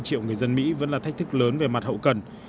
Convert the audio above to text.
ba trăm ba mươi triệu người dân mỹ vẫn là thách thức lớn về mặt hậu cần